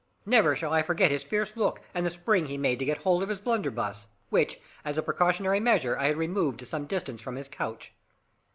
Never shall I forget his fierce look, and the spring he made to get hold of his blunderbuss, which, as a precautionary measure, I had removed to some distance from his couch.